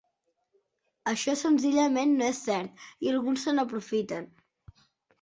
Això senzillament no és cert i alguns se n’aprofiten.